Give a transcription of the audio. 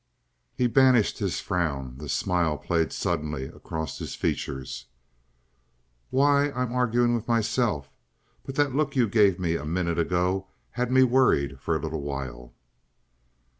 He banished his frown; the smile played suddenly across his features. "Why, I'm arguing with myself. But that look you gave me a minute ago had me worried for a little while."